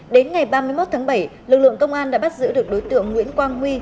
đến ngày ba mươi một tháng bảy lực lượng công an đã bắt giữ được đối tượng nguyễn quang huy